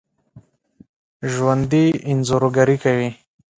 ژوندي انځورګري کوي